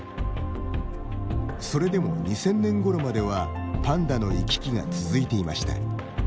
それでも２０００年ごろまではパンダの行き来が続いていました。